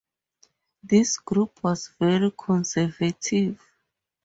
This group was very conservative.